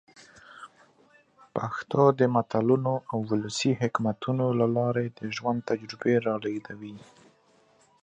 پښتو د متلونو او ولسي حکمتونو له لاري د ژوند تجربې را لېږدوي.